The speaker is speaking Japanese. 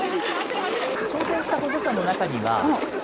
挑戦した保護者の中には。